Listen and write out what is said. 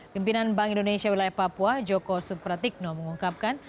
pimpinan bank indonesia wilayah papua joko supratikno mengungkapkan